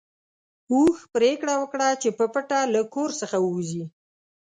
اوښ پرېکړه وکړه چې په پټه له کور څخه ووځي.